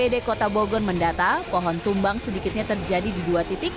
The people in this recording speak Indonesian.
bd kota bogor mendata pohon tumbang sedikitnya terjadi di dua titik